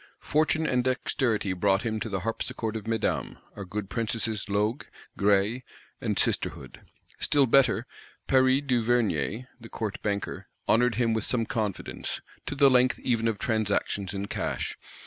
Fortune and dexterity brought him to the harpsichord of Mesdames, our good Princesses Loque, Graille and Sisterhood. Still better, Paris Duvernier, the Court Banker, honoured him with some confidence; to the length even of transactions in cash.